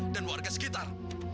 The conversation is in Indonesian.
dan warga sekitar